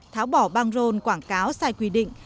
tháo bỏ băng rôn quảng cáo sai quy định